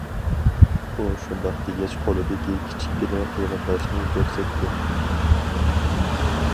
ئۇ شۇنداق دېگەچ قولىدىكى كىچىككىنە قېرىنداشنى كۆرسەتتى.